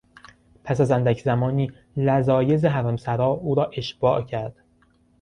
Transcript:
پس از اندک زمانی، لذایذ حرمسرا او را اشباع کرد.